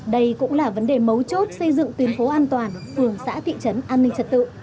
đây cũng là vấn đề mấu chốt xây dựng tuyến phố an toàn phường xã thị trấn an ninh trật tự